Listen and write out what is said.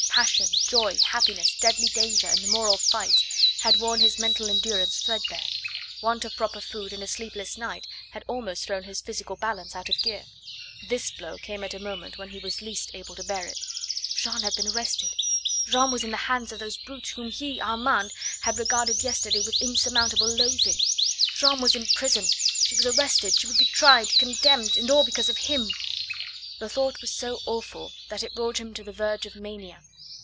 Passion, joy, happiness, deadly danger, and moral fights had worn his mental endurance threadbare; want of proper food and a sleepless night had almost thrown his physical balance out of gear. This blow came at a moment when he was least able to bear it. Jeanne had been arrested! Jeanne was in the hands of those brutes, whom he, Armand, had regarded yesterday with insurmountable loathing! Jeanne was in prison she was arrested she would be tried, condemned, and all because of him! The thought was so awful that it brought him to the verge of mania.